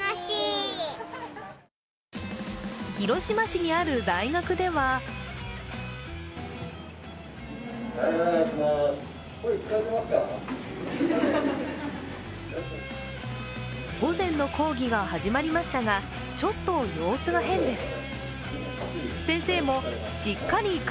広島市にある大学では午前の講義が始まりましたが、ちょっと様子が変です。